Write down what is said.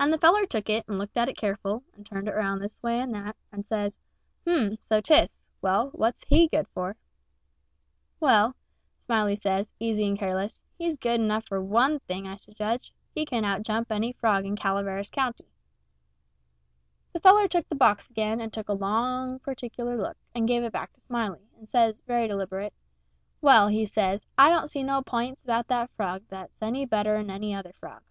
And the feller took it, and looked at it careful, and turned it round this way and that, and says, "H'm so 'tis. Well, what's he good for?" "Well," Smiley says, easy and careless, "he's good enough for one thing, I should judge he can outjump any frog in Calaveras County." The feller took the box again, and took another long, particular look, and give it back to Smiley, and says, very deliberate, "Well," he says, "I don't see no p'ints about that frog that's any better'n any other frog."